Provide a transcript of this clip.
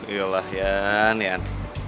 yalah yan yan